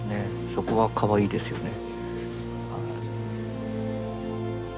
そこはかわいいですよね。